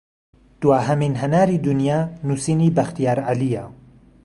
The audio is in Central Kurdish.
دواهەمین هەناری دونیا نوسینی بەختیار عەلییە